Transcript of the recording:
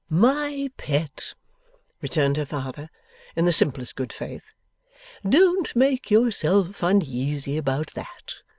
'My pet,' returned her father, in the simplest good faith, 'don't make yourself uneasy about that.